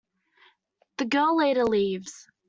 The girl later leaves.